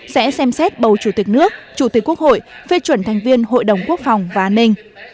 sẽ xem xét bầu chủ tịch nước chủ tịch quốc hội phê chuẩn thành viên hội đồng quốc phòng và an ninh